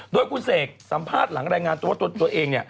โดยคุณเสกสัมภาษณ์หลังรายงานตัวว่าตัวเอง